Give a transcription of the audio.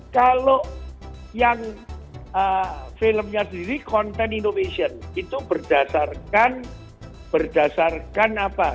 kalau yang filmnya sendiri content innovation itu berdasarkan apa